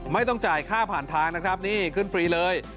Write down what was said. ไม่ต้องจ่ายค่าผ่านทางขึ้นฟรีเลย